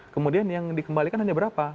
kemudian yang dikembalikan hanya berapa